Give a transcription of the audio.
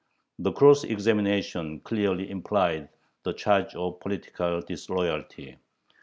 The cross examination clearly implied the charge of political disloyalty.